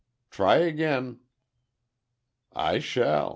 Try again." "I shall.